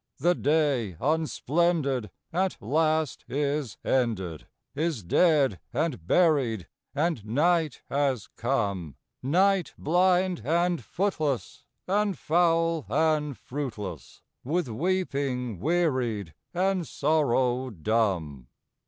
The day, unsplendid, at last is ended, Is dead and buried, and night has come; Night, blind and footless, and foul and fruitless, With weeping wearied, and sorrow dumb.